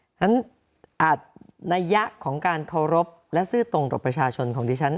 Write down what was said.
ฉะนั้นอาจนัยยะของการเคารพและซื่อตรงกับประชาชนของดิฉัน